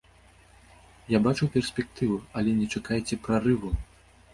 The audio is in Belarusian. Я бачу перспектыву, але не чакайце прарыву.